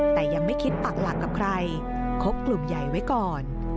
แต่ยังไม่คิดปักหลักกับใครคบกลุ่มใหญ่ไว้ก่อน